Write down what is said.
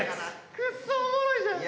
クッソおもろいじゃん。